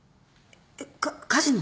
えっカカジノ？